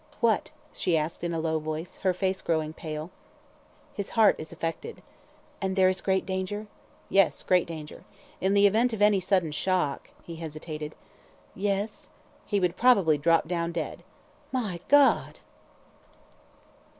"What?" she asked in a low voice, her face growing pale. "His heart is affected." "And there is great danger?" "Yes, great danger. In the event of any sudden shock " he hesitated. "Yes " "He would probably drop down dead." "My God!"